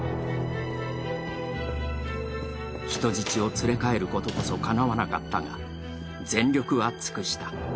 人質を連れ帰ることこそかなわなかったが、全力は尽くした。